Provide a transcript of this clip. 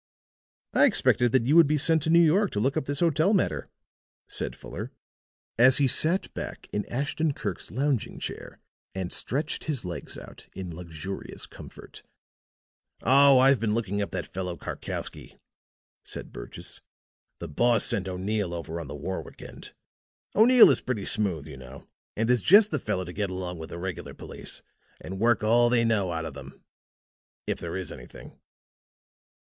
"I expected that you would be sent to New York to look up this hotel matter," said Fuller, as he sat back in Ashton Kirk's lounging chair and stretched his legs out in luxurious comfort. "Oh, I've been looking up that fellow Karkowsky," said Burgess. "The boss sent O'Neill over on the Warwick end. O'Neill is pretty smooth, you know, and is just the fellow to get along with the regular police, and work all they know out of them if there is anything."